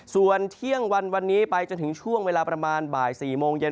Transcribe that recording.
ส่วนเที่ยงวันวันนี้ไปจนถึงช่วงเวลาประมาณบ่าย๔โมงเย็น